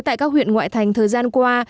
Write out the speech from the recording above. tại các huyện ngoại thành thời gian qua